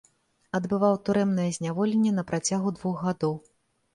Адбываў турэмнае зняволенне на працягу двух гадоў.